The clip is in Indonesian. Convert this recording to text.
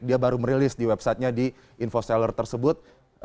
dia baru merilis di website nya di infosteller tersebut